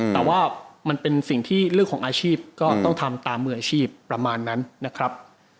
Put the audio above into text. แต่ว่ามันเป็นสิ่งที่เรื่องของอาชีพก็ต้องทำตามมืออาชีพประมาณนั้นนะครับ